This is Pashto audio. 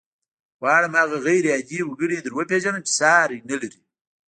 غواړم هغه غير عادي وګړی در وپېژنم چې ساری نه لري.